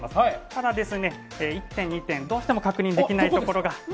ただ１点、２点どうしても確認できないところが。